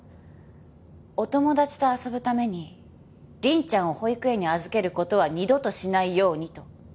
お友達と遊ぶために凛ちゃんを保育園に預ける事は二度としないようにと。